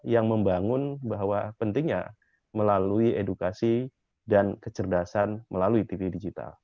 yang membangun bahwa pentingnya melalui edukasi dan kecerdasan melalui tv digital